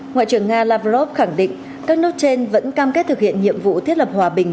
ngoại trưởng nga lavrov khẳng định các nước trên vẫn cam kết thực hiện nhiệm vụ thiết lập hòa bình